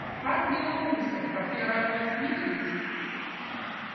Пан Белоусов, как я рад вас видеть!